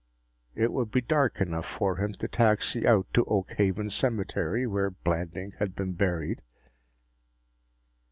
It would be dark enough for him to taxi out to Oakhaven Cemetery, where Blanding had been buried.